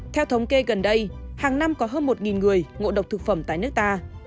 theo thống kê gần đây hàng năm có hơn một người ngộ độc thực phẩm tại nước ta